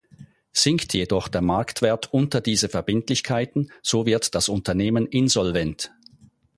Sinkt jedoch der Marktwert unter diese Verbindlichkeiten, so wird das Unternehmen insolvent.